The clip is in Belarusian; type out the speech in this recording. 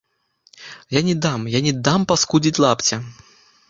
Я не дам, я не дам паскудзіць лапця!